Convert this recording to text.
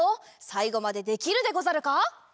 さいごまでできるでござるか？